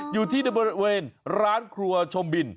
อยู่ที่ด้านบนละเวนร้านครัวชมบิน